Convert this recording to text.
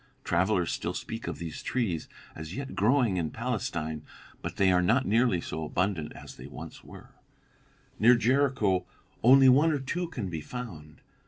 Travelers still speak of these trees as yet growing in Palestine, but they are not nearly so abundant as they once were; near Jericho only one or two can be found.